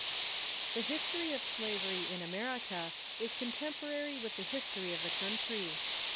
] TuE history of slavery in x\mcrica is contemporary with the history of the country.